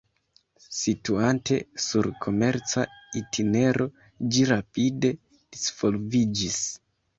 Situante sur komerca itinero ĝi rapide disvolviĝis.